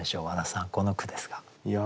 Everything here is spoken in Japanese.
和田さんこの句ですが。